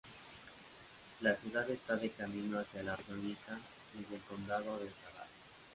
La ciudad está de camino hacia la región Lika desde el condado de Zadar.